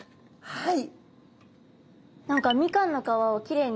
はい。